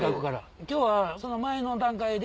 今日はその前の段階で。